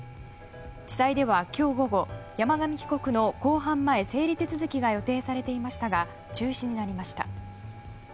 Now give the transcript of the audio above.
地裁では、今日午後山上被告の公判前整理手続きが予定されていましたが中止になりました。